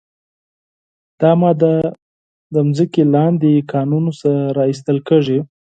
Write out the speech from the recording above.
دا ماده له ځمکې لاندې کانونو څخه را ایستل کیږي.